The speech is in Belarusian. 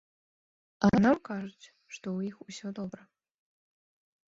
А нам кажуць, што ў іх усё добра.